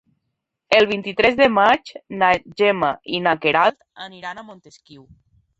El vint-i-tres de maig na Gemma i na Queralt aniran a Montesquiu.